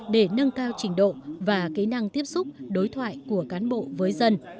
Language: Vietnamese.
để nâng cao trình độ và kỹ năng tiếp xúc đối thoại của cán bộ với dân